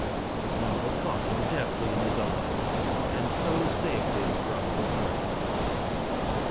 But Marvel caught him deftly in his arms, and so saved him from the sword points.